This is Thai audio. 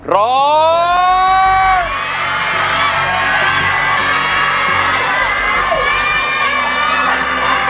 ร้อย